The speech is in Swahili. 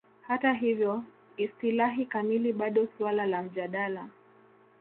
Hata hivyo, istilahi kamili bado suala la mjadala.